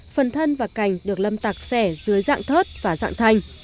phần thân và cành được lâm tặc xẻ dưới dạng thớt và dạng thanh